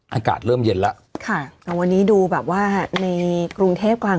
อากาศเริ่มเย็นแล้วค่ะแต่วันนี้ดูแบบว่าในกรุงเทพกลาง